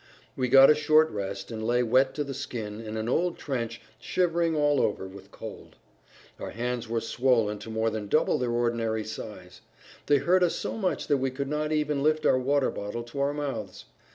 We got a short rest, and lay wet to the skin in an old trench shivering all over with cold. Our hands were swollen to more than double their ordinary size; they hurt us so much that we could not even lift our water bottle to our mouths.